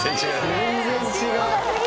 全然違う。